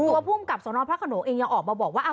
ภูมิกับสนพระขนงเองยังออกมาบอกว่า